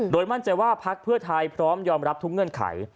มั่นใจว่าพักเพื่อไทยพร้อมยอมรับทุกเงื่อนไข